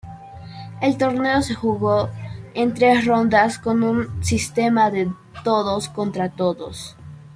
El torneo se jugó en tres rondas con un sistema de todos-contra-todos.